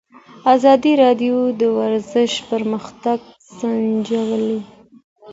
ازادي راډیو د ورزش پرمختګ سنجولی.